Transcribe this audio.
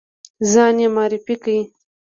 ځان یې معرفي کړ.